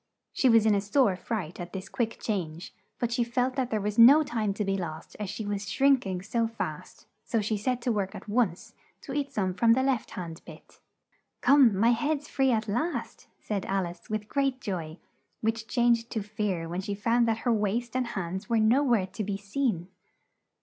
She was in a sore fright at this quick change, but she felt that there was no time to be lost as she was shrink ing so fast; so she set to work at once to eat some from the left hand bit. "Come, my head's free at last!" said Al ice, with great joy, which changed to fear when she found that her waist and hands were no where to be seen.